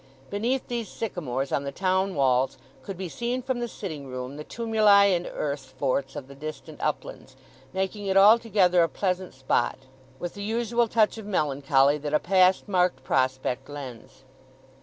Beneath these sycamores on the town walls could be seen from the sitting room the tumuli and earth forts of the distant uplands; making it altogether a pleasant spot, with the usual touch of melancholy that a past marked prospect lends.